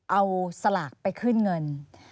เอาสลากไปขึ้นเงิน